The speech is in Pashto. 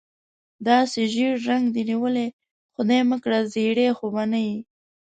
داسې ژېړ رنګ دې نیولی، خدای مکړه زېړی خو به نه یې؟